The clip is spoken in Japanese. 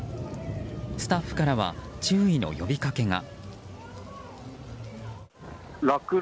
スタッフからは注意の呼びかけが。